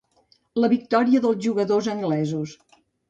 La victòria dels jugadors anglesos.